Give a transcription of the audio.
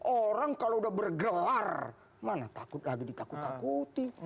orang kalau udah bergelar mana takut lagi ditakut takuti